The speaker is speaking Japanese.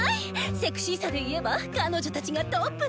セクシーさで言えば彼女たちがトップね。